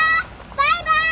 バイバイ！